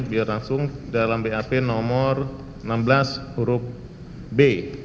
biar langsung dalam bap nomor enam belas huruf b